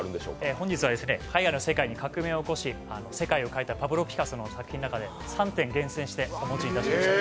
本日は絵画の世界に革命を起こし世界を変えたパブロ・ピカソの作品の中で３点を持ってきました。